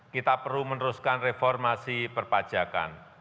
kita perlu meneruskan reformasi perpajakan